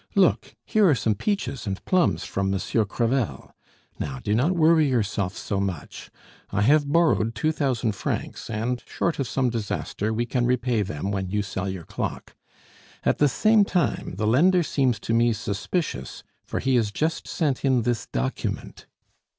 Look, here are some peaches and plums from Monsieur Crevel. Now, do not worry yourself so much; I have borrowed two thousand francs, and, short of some disaster, we can repay them when you sell your clock. At the same time, the lender seems to me suspicious, for he has just sent in this document."